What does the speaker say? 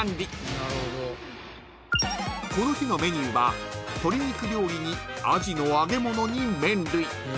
［この日のメニューは鶏肉料理にアジの揚げ物に麺類］